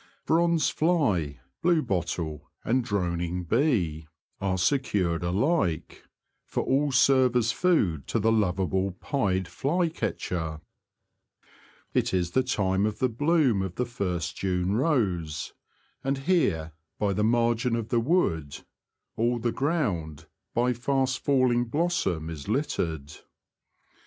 Bronze fly, bluebottle, and droning l^he Confessions of a ^Poacher, 13 iDee are secured alike, for all serve as food to the loveable pied fly catcher. It is the time of the bloom of the first June rose ; and here, by the margin of the wood, all the ground by fast falling blossom is littered.